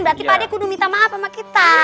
berarti pak ade kudu minta maaf sama kita